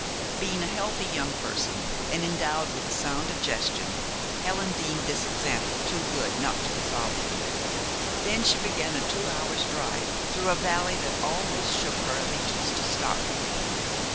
Being a healthy young person, and endowed with a sound digestion, Helen deemed this example too good not to be followed. Then she began a two hours' drive through a valley that almost shook her allegiance to Scotland.